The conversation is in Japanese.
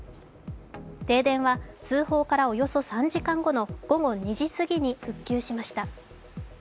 停電は通報からおよそ３時間後の午後２時すぎに復旧しました。